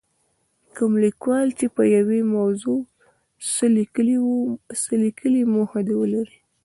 کوم لیکوال چې په یوې موضوع څه لیکي موخه دې ولري.